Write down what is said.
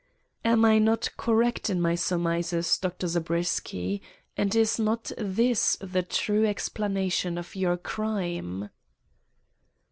"Am I not correct in my surmises, Dr. Zabriskie, and is not this the true explanation of your crime?"